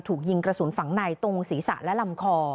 ถูกยิงกระสุนฝังในตรงศีรษะและลำคอ